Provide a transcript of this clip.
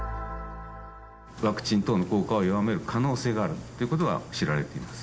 ワクチン等の効果を弱める可能性があるということは知られています。